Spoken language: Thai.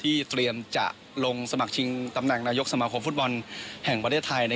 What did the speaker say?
เตรียมจะลงสมัครชิงตำแหน่งนายกสมาคมฟุตบอลแห่งประเทศไทย